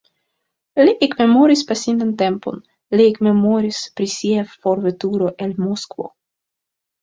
Li ekmemoris pasintan tempon, li ekmemoris pri sia forveturo el Moskvo.